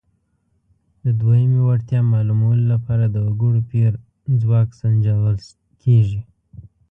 د دویمې وړتیا معلومولو لپاره د وګړو پېر ځواک سنجول کیږي.